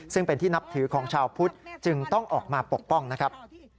ซึ่งเป็นที่นับถือของชาวพุทธจึงต้องออกมาปกป้องนะครับ